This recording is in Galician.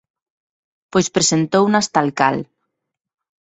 Pois presentounas tal cal.